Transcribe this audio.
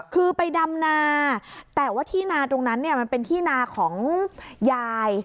คือไปดำนาแต่ว่าที่นาตรงนั้นเนี่ยมันเป็นที่นาของยาย